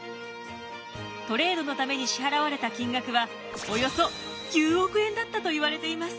トレードのために支払われた金額はおよそ９億円だったといわれています。